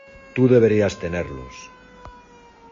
tú debías tenerlos...